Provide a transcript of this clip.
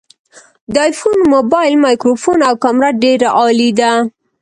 د آیفون مبایل مایکروفون او کامره ډیره عالي ده